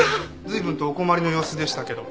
随分とお困りの様子でしたけど。